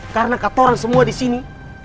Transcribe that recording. karena kata orang semua di sini